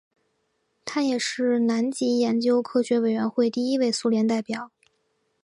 他也是南极研究科学委员会第一位苏联代表。